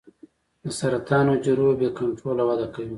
د سرطان حجرو بې کنټروله وده کوي.